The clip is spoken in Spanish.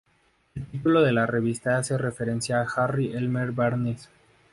El título de la revista hace referencia a Harry Elmer Barnes.